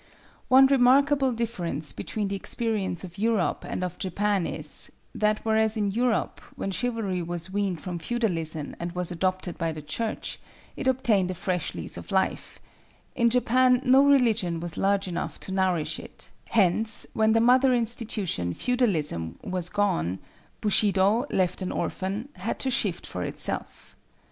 One remarkable difference between the experience of Europe and of Japan is, that, whereas in Europe when Chivalry was weaned from Feudalism and was adopted by the Church, it obtained a fresh lease of life, in Japan no religion was large enough to nourish it; hence, when the mother institution, Feudalism, was gone, Bushido, left an orphan, had to shift for itself.